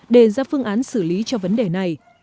đề ra phương án xử lý cho vấn đề này